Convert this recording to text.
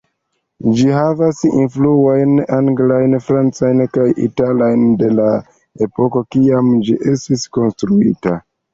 Ĝi havas influojn anglajn, francajn kaj italajn, de la epoko kiam ĝi estis konstruita.